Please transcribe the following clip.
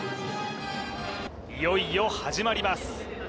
いよいよ始まります